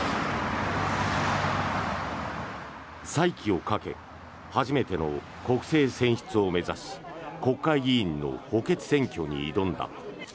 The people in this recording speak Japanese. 再起をかけ初めての国政選出を目指し国会議員の補欠選挙に挑んだ。